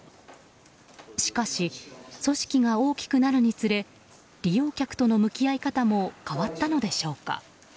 しかし、組織が大きくなるにつれ利用客との向き合い方も変わったのでしょうか。